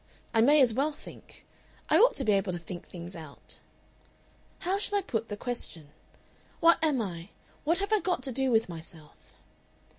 I may as well think. I ought to be able to think things out. "How shall I put the question? What am I? What have I got to do with myself?...